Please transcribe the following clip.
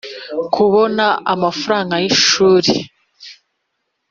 kubona amafaranga y'ishuri.